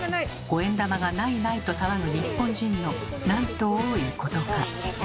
五円玉がないないと騒ぐ日本人のなんと多いことか。